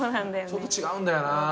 ちょっと違うんだよな。